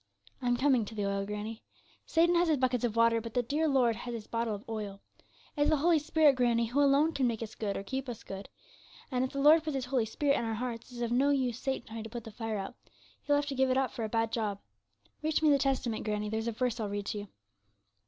'I'm coming to the oil, granny. Satan has his buckets of water, but the dear Lord has His bottle of oil. It's the Holy Spirit, granny, who alone can make us good, or keep us good. And if the Lord puts His Holy Spirit in our hearts, it's of no use Satan trying to put the fire out; he'll have to give it up for a bad job. Reach me the Testament, granny, there's a verse I'll read to you.'